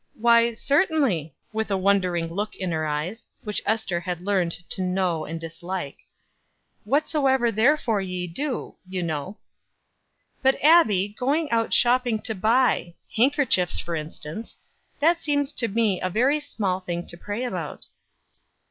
"Why, certainly " with the wondering look in her eyes, which Ester had learned to know and dislike "'Whatsoever therefore ye do' you know." "But, Abbie, going out shopping to buy handkerchiefs, for instance; that seems to me a very small thing to pray about."